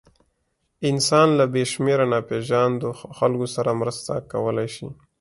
انسان له بېشمېره ناپېژاندو خلکو سره مرسته کولی شي.